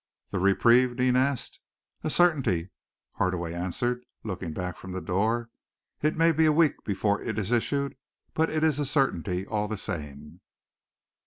"The reprieve?" Deane asked. "A certainty," Hardaway answered, looking back from the door. "It may be a week before it is issued, but it is a certainty all the same."